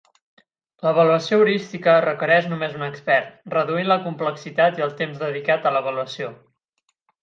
L'avaluació heurística requereix només un expert, reduint la complexitat i el temps dedicat a l'avaluació.